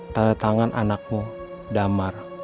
tanda tangan anakmu damar